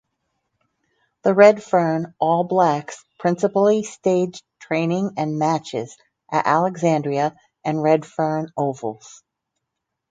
The Redfern All Blacks principally staged training and matches at Alexandria and Redfern Ovals.